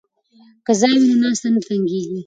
که ځای وي نو ناسته نه تنګیږي.